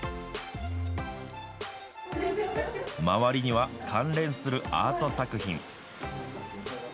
周りには関連するアート作品。